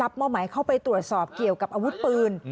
อาวุธปืน